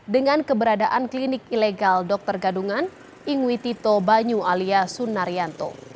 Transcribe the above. dengan keberadaan klinik ilegal dokter gadungan ingwitito banyu alias sunnarianto